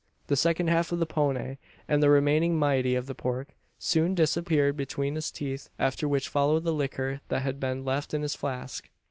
The second half of the "pone" and the remaining moiety of the pork, soon disappeared between his teeth; after which followed the liquor that had been left in his flask.